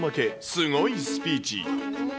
すごいスピーチ。